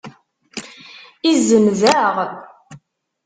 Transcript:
Izzenz-aɣ.